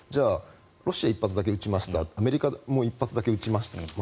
ロシアは１発だけ打ちましたアメリカも１発だけ打ちました